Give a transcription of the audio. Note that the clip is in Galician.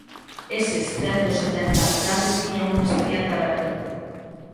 Eses cento setenta habitantes tiñan un expediente aberto.